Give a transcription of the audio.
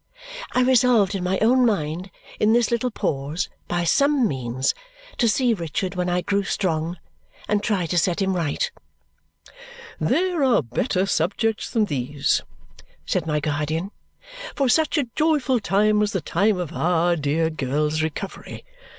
I resolved in my own mind in this little pause, by some means, to see Richard when I grew strong and try to set him right. "There are better subjects than these," said my guardian, "for such a joyful time as the time of our dear girl's recovery.